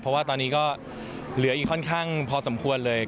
เพราะว่าตอนนี้ก็เหลืออีกค่อนข้างพอสมควรเลย